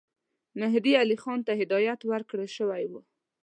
مهدي علي خان ته هدایت ورکړه شوی وو.